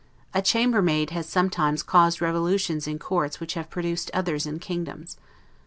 A chamber maid has sometimes caused revolutions in courts which have produced others in kingdoms.